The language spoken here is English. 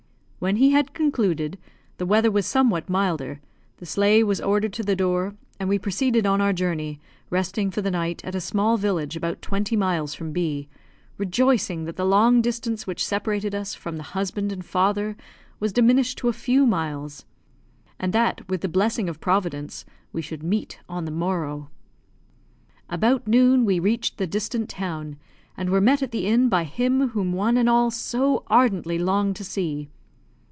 When he had concluded, the weather was somewhat milder, the sleigh was ordered to the door, and we proceeded on our journey, resting for the night at a small village about twenty miles from B , rejoicing that the long distance which separated us from the husband and father was diminished to a few miles, and that, with the blessing of Providence, we should meet on the morrow. About noon we reached the distant town, and were met at the inn by him whom one and all so ardently longed to see.